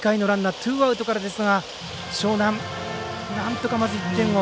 ツーアウトからですが樟南、なんとかまず１点を。